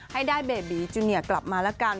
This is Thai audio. ให้ได้เบบีจูเนียกลับมาแล้วกัน